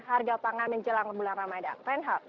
harga pangan menjelang bulan ramadhan renhad